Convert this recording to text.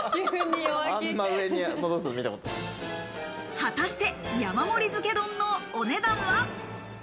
果たして、山盛り漬け丼のお値段は？